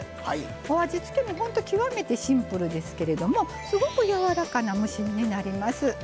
お味付けも本当に極めてシンプルですけどもすごく、やわらかな蒸し煮になります。